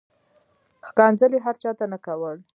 ښکنځل یې هر چاته نه کول.